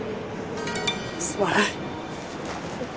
すまない。